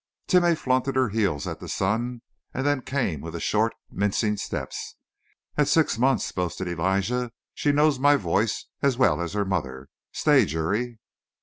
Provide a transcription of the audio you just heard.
Timeh flaunted her heels at the sun and then came with short, mincing steps. "At six months," boasted Elijah, "she knows my voice as well as her mother. Stay, Juri!"